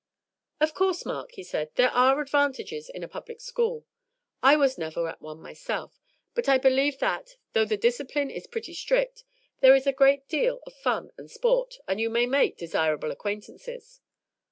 "Of course, Mark," he said, "there are advantages in a public school. I was never at one myself, but I believe that, though the discipline is pretty strict, there is a great deal of fun and sport, and you may make desirable acquaintances.